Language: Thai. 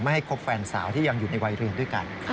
ให้คบแฟนสาวที่ยังอยู่ในวัยเรียนด้วยกัน